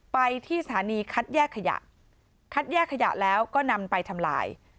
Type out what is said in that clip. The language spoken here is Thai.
ไปที่สถานีคัดแยกขยะคัดแยกขยะแล้วก็นำไปทำลาย